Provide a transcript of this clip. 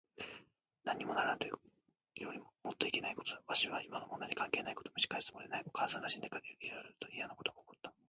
なんにもならぬというよりもっといけないことだ。わしは今の問題に関係ないことをむし返すつもりはない。お母さんが死んでから、いろいろといやなことが起った。